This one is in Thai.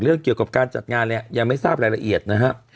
เกี่ยวกับการจัดงานเนี่ยยังไม่ทราบรายละเอียดนะครับ